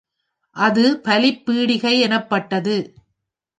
அது பலிப் பீடிகை எனப்பட்டது.